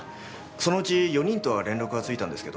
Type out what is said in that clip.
そのうち４人とは連絡がついたんですけど。